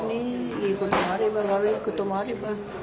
いいこともあれば悪いこともあれば。